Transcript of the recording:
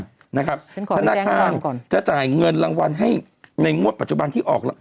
ธนาคารจะจ่ายเงินรางวัลให้ในงวดปัจจุบันที่ออก